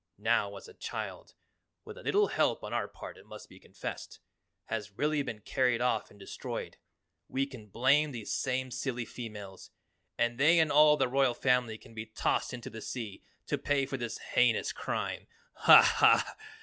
Now as the child, with a little help on our part it must be confessed, has really been carried off and destroyed, we can blame these same silly females, and they and all the royal family can be tossed into the sea to pay for this heinous crime. Ha, ha!